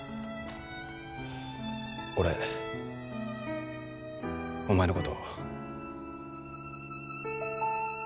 俺お前のこと。